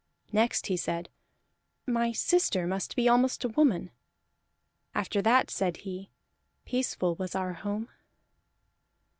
Next he said: "My sister must be almost a woman." After that said he: "Peaceful was our home."